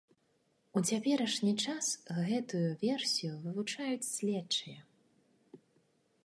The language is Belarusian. У цяперашні час гэтую версію вывучаюць следчыя.